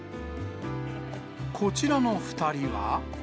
こちらの２人は。